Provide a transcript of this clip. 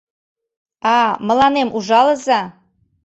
— А... мыланем ужалыза.